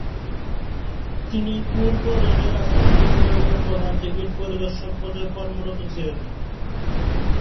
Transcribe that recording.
তিনি পূর্ব রেলের আসানসোল বিভাগে প্রধান টিকিট পরিদর্শক পদে কর্মরত আছেন।